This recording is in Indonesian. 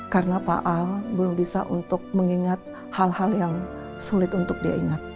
karena pak al belum bisa untuk mengingat hal hal yang sulit untuk diingat